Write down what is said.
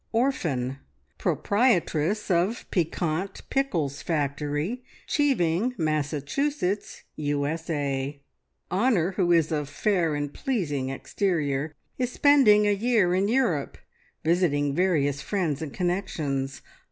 Orphan. Proprietress of Piquant Pickles Factory, Cheeving, Massachusetts, USA. Honor, who is of fair and pleasing exterior, is spending a year in Europe visiting various friends and connections.